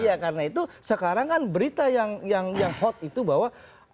iya karena itu sekarang kan berita yang hot itu bahwa